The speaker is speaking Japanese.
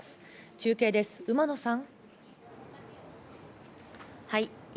中継です、馬野さん。